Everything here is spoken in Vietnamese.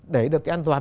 để được cái an toàn